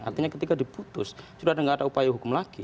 artinya ketika diputus sudah tidak ada upaya hukum lagi